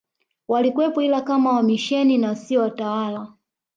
walikuwepo ila kama wamisheni na sio watawala